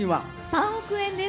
３億円です。